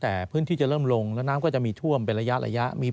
แต่พื้นที่จะเริ่มลงแล้วน้ำก็จะมีท่วมเป็นระยะ